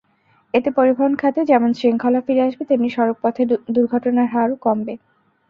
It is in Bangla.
এতে পরিবহন খাতে যেমন শৃঙ্খলা ফিরে আসবে, তেমনি সড়কপথে দুর্ঘটনার হারও কমবে।